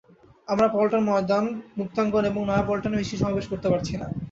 আমরা পল্টন ময়দান, মুক্তাঙ্গন এবং নয়াপল্টনে মিছিল সমাবেশ করতে পারছি না।